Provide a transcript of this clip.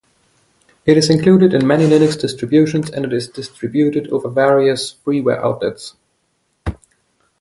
It is included in many Linux distributions and is distributed over various freeware outlets.